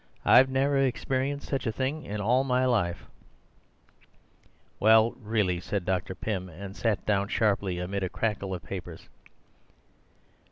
"I've never experienced such a thing in all my life." "Well, really," said Dr. Pym, and sat down sharply amid a crackle of papers.